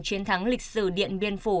chiến thắng lịch sử điện biên phủ